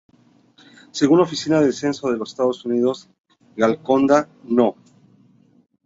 Según la Oficina del Censo de los Estados Unidos, Golconda No.